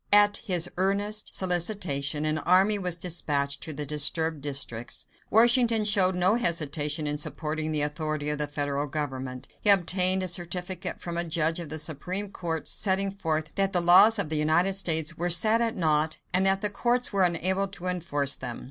At his earnest solicitation, an army was dispatched to the disturbed districts. Washington showed no hesitation in supporting the authority of the federal government. He obtained a certificate from a judge of the Supreme Court, setting forth that the laws of the United States were set at naught and that the courts were unable to enforce them.